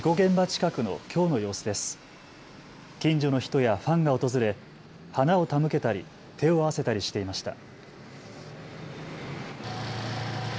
近所の人やファンが訪れ花を手向けたり手を合わせたりしていました。